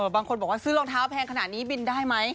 บางคนบอกว่าซื้อรองเท้าแพงขนาดนี้บินได้ไหม